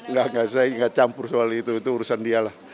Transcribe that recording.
nggak saya nggak campur soal itu itu urusan dia lah